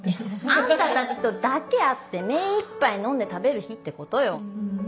あんたたちとだけ会って目いっぱい飲んで食べる日ってことよ。